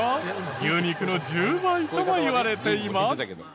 牛肉の１０倍ともいわれています。